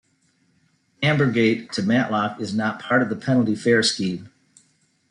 Ambergate to Matlock is not part of the penalty fare scheme.